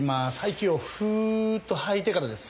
息をフーッと吐いてからです。